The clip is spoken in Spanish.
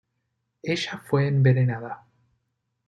Ella fue envenenada.